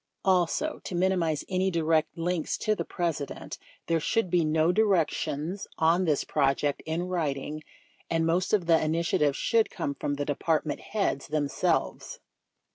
Also, to minimize any direct links to the President, there should be no directions on this project in writing, and most of the initiative should come from the Department Heads them selves.